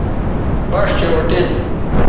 بَݜ چہء اُٹین